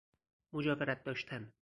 مجاورت داشتن